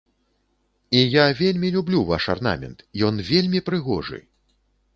І я вельмі люблю ваш арнамент, ён вельмі прыгожы!